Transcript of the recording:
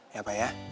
ya pak ya